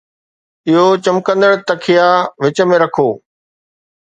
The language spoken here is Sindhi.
اهو چمڪندڙ تکيا وچ ۾ رکو